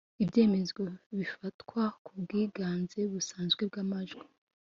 Ibyemezo bifatwa ku bwiganze busanzwe bw’amajwi